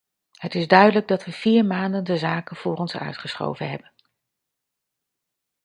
Het is duidelijk dat we vier maanden de zaken voor ons uitgeschoven hebben.